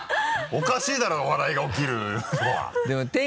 おかしいだろ笑いが起きるのは。